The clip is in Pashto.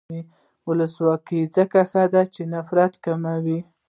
ولسواکي ځکه ښه ده چې نفرت کموي.